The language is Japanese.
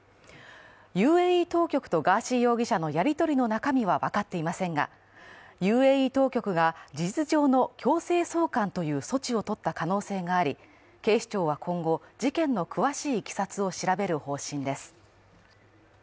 ＵＡＥ当局とガーシー容疑者のやりとりの中身は分かっていませんが、ＵＡＥ当局が事実上の強制送還という措置をとった可能性があり、警視庁は今後、事件の詳しいいきさつを調べる方針です。